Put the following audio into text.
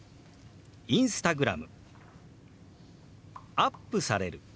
「アップされる」。